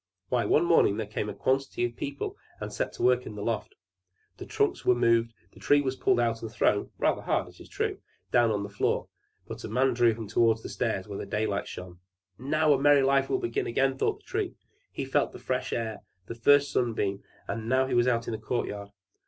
Why, one morning there came a quantity of people and set to work in the loft. The trunks were moved, the tree was pulled out and thrown rather hard, it is true down on the floor, but a man drew him towards the stairs, where the daylight shone. "Now a merry life will begin again," thought the Tree. He felt the fresh air, the first sunbeam and now he was out in the courtyard.